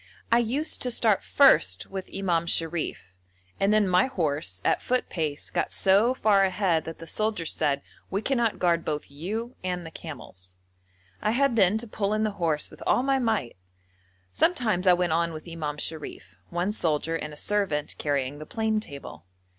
I used to start first with Imam Sharif, and then my horse, at foot pace, got so far ahead that the soldiers said, 'We cannot guard both you and the camels.' I had then to pull in the horse with all my might. Sometimes I went on with Imam Sharif, one soldier and a servant carrying the plane table.